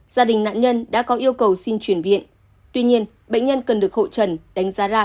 gia đình nạn nhân đã có yêu cầu xin chuyển viện tuy nhiên bệnh nhân cần được hội trần đánh giá lại